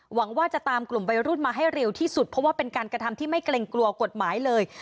หวังว่าจะตามกลุ่มวัยรุ่นมาให้เร็วที่สุดเพราะว่าเป็นการกระทำที่ไม่เกรงกลัวกฎหมายเลย